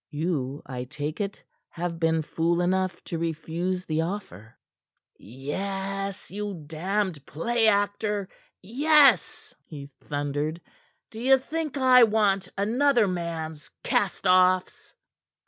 You, I take it, have been fool enough to refuse the offer." "Yes, you damned play actor! Yes!" he thundered. "D'ye think I want another man's cast offs?"